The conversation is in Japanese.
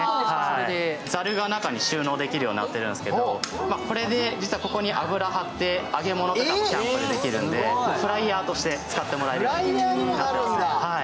ざるが中に収納できるようになっているんですけど実はここに油を張って揚げ物とかもキャンプでできるのでフライヤーとしても使っていただけます。